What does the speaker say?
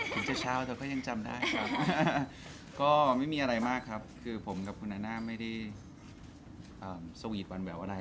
ที่เขาเดินขันมากยังเห็นเขา